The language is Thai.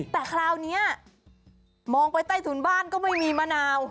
แต่คราวนี้มองไปใต้ถุนบ้านก็ไม่มีมะนาว